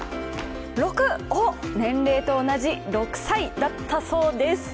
６！おっ、年齢と同じ６歳だったそうです。